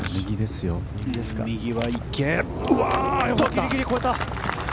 ギリギリ越えた！